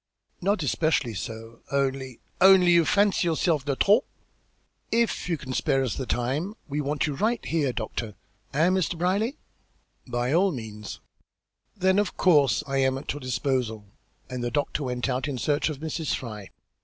"Not especially so only " "Only you fancy yourself de trop? If you can spare us the time, we want you right here, doctor. Eh, Mr. Brierly?" "By all means." "Then of course I am at your disposal," and the doctor went out in search of Mrs. Fry.